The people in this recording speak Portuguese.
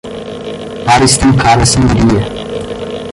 Para estancar a sangria